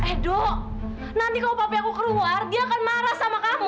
aduh nanti kalau babi aku keluar dia akan marah sama kamu